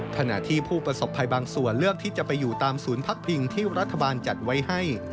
ขณะที่ผู้ประสบภัยบางส่วนเลือกที่จะไปอยู่ตามศูนย์พักพิงที่รัฐบาลจัดไว้ให้